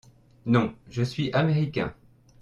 Non, je suis américain.